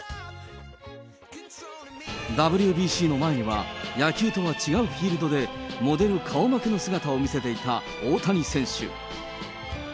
ＷＢＣの前には、野球とは違うフィールドでモデル顔負けの姿を見せていた大谷選手。